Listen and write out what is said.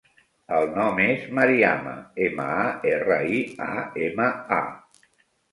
El nom és Mariama: ema, a, erra, i, a, ema, a.